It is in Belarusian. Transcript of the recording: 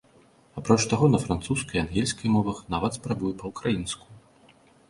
Апроч таго, на французскай і ангельскай мовах, нават спрабуе па-ўкраінску.